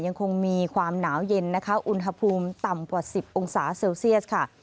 ยังคงมีความหนาวเย็นนะคะอุณหภูมิต่ำกว่า๑๐องศาเซลเซียสค่ะ